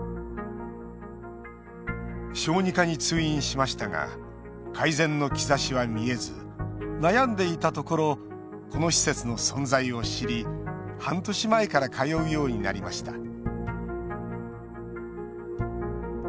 小児科に通院しましたが改善の兆しは見えず悩んでいたところこの施設の存在を知り半年前から通うようになりました。